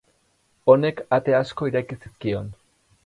Honek ate asko ireki zizkion.